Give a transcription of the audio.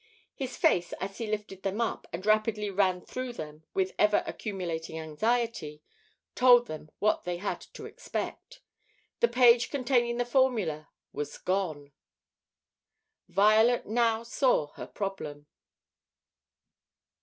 His face, as he lifted them up and rapidly ran through them with ever accumulating anxiety, told them what they had to expect. The page containing the formula was gone! Violet now saw her problem.